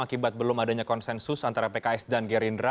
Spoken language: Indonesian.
akibat belum adanya konsensus antara pks dan gerindra